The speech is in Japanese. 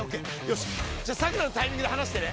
じゃあさくらのタイミングではなしてね。